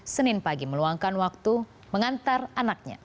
senin pagi meluangkan waktu mengantar anaknya